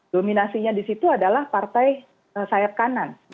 dominasinya di situ adalah partai sayap kanan